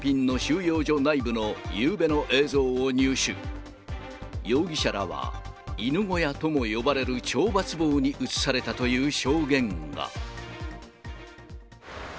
容疑者らは犬小屋とも呼ばれる懲罰房に移されたという証言が。